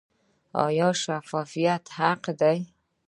آیا شفاعت حق دی؟